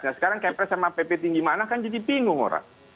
nah sekarang kepres sama pp tinggi mana kan jadi bingung orang